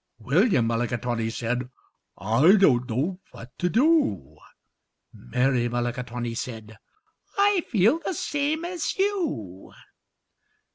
William Mulligatawny said, "I don't know what to do." Mary Mulligatawny said, "I feel the same as you."